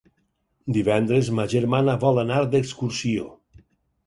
Divendres ma germana vol anar d'excursió.